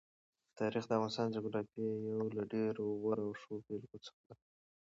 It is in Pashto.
تاریخ د افغانستان د جغرافیې یو له ډېرو غوره او ښو بېلګو څخه دی.